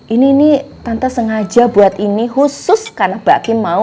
ini tante sengaja buat ini khusus karena mbak aki mau